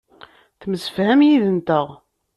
Temsefham yid-nteɣ.